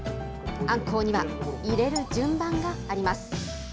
あんこうには、入れる順番があります。